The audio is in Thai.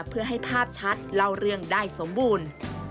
เพื่อให้ภาพชัดเล่าเรื่องได้สมบูรณ์